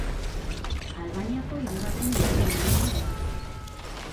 Albaniako hirugarren hiri handiena da.